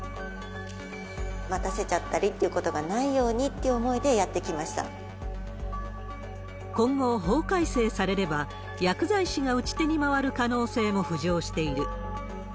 待たせちゃったりってことがないようにって思いでやってきま今後、法改正されれば、薬剤師が打ち手に回る可能性も浮上している。